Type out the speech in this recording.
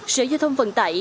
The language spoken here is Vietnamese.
sở giao thông vận tải